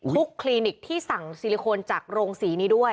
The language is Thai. คลินิกที่สั่งซิลิโคนจากโรงสีนี้ด้วย